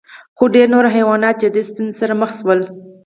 خو ډېر نور حیوانات جدي ستونزو سره مخ شول.